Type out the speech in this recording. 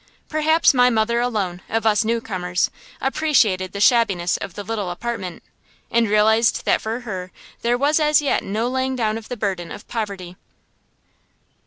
Perhaps my mother alone, of us newcomers, appreciated the shabbiness of the little apartment, and realized that for her there was as yet no laying down of the burden of poverty.